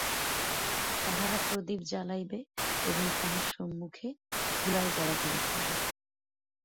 তাহারা প্রদীপ জ্বালাইবে এবং তাঁহার সম্মুখে ধুলায় গড়াগড়ি যাইবে।